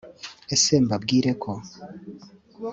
ese mbabwire ko